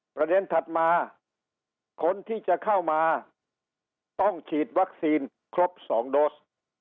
ถัดมาคนที่จะเข้ามาต้องฉีดวัคซีนครบ๒โดส